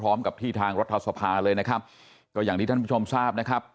พร้อมกับที่ทางรัฐสภาเลยนะครับก็อย่างที่ท่านผู้ชมทราบนะครับ